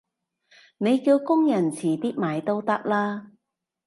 你叫工人遲啲買都得啦